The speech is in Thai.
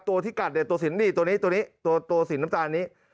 ตัวที่กัดตัวสินน้ำตาลนี้ตัวนี้ตัวนี้